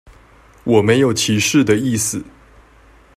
我沒有歧視的意思